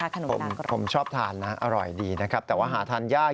ผมชอบทานอร่อยดีแต่ว่าหาทานยาก